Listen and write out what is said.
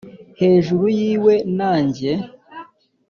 hejuru yiwe na njye.